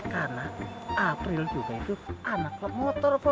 karena april juga itu anak pemotor woy